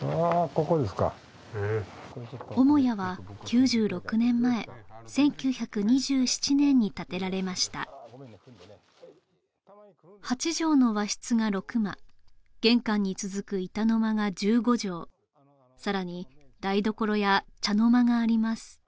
ここですかうん母屋は１９２７年に建てられました８畳の和室が６間玄関に続く板の間が１５畳さらに台所や茶の間があります